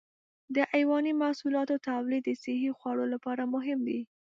د حيواني محصولاتو تولید د صحي خوړو لپاره مهم دی.